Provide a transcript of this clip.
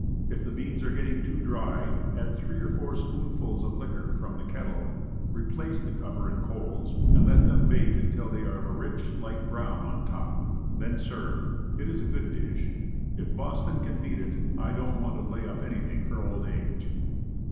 If the beans are getting too dry, add three or four spoonfuls of liquor from the kettle, replace cover and coals, and let them bake until they are of a rich light brown on top. Then serve. It is a good dish. If Boston can beat it, I don't want to lay up anything for old age.